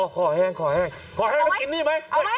ขอแห้งแล้วกินนี่ไหม